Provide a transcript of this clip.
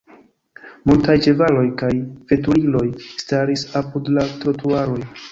Multaj ĉevaloj kaj veturiloj staris apud la trotuaroj.